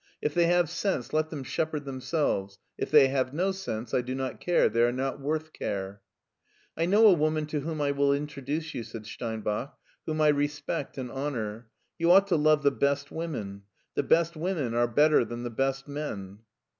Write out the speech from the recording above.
If they have sense let them shepherd themselves; if they have no sense I do not care, they are not worth care." " I know a woman to whom I will introduce you," said Steinbach, "whom I respect and honor. You ought to love the best women. The best women are better than the best men."